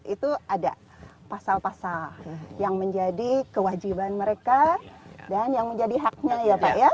itu ada pasal pasal yang menjadi kewajiban mereka dan yang menjadi haknya ya pak ya